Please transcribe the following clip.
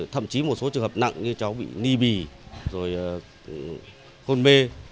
thậm chí một số trường hợp nặng như cháu bị ni bì hôn mê